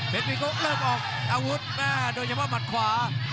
เพชรวีโก้เริ่มออกอาวุธหน้าโดยเฉพาะหมัดขวา